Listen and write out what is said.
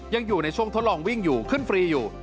ยังอยู่ในช่วงทดลองวิ่งอยู่ขึ้นฟรีอยู่